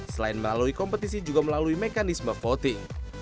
selain melalui kompetisi juga melalui mekanisme voting